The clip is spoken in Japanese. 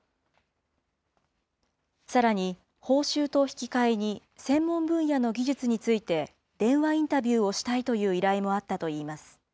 さらに、報酬と引き換えに専門分野の技術について、電話インタビューをしたいという依頼もあったといいます。